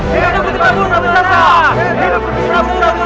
hidup hidup hidup hidup